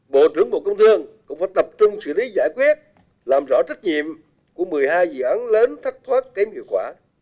bộ trưởng bộ công thương cũng phải tập trung xử lý giải quyết làm rõ trách nhiệm của một mươi hai dự án lớn thất thoát kém hiệu quả